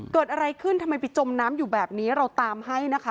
เกิดอะไรขึ้นทำไมไปจมน้ำอยู่แบบนี้เราตามให้นะคะ